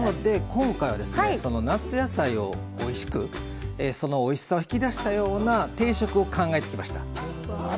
今回は夏野菜をおいしくそのおいしさを引き出したような定食を考えてきました。